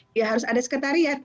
dia harus ada sekretariat